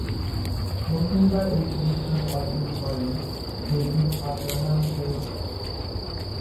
প্রথমবার এই পুরস্কার অর্জন করেন ডেভিড আব্রাহাম চেউলকর।